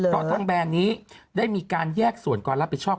เพราะทางแบรนด์นี้ได้มีการแยกส่วนความรับผิดชอบ